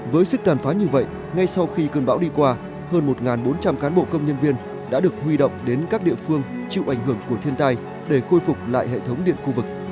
với sức tàn phá như vậy ngay sau khi cơn bão đi qua hơn một bốn trăm linh cán bộ công nhân viên đã được huy động đến các địa phương chịu ảnh hưởng của thiên tai để khôi phục lại hệ thống điện khu vực